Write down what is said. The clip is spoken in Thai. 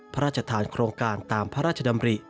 พระราชทานโครงการตามพระราชดำริ